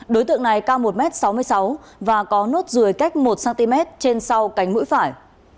đối tượng này cao một m sáu mươi sáu và có nốt ruồi cách một cm trên sau cánh mũi phải